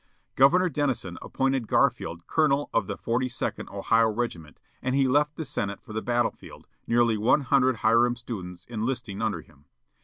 Governor Dennison appointed Garfield colonel of the Forty second Ohio Regiment, and he left the Senate for the battlefield, nearly one hundred Hiram students enlisting under him.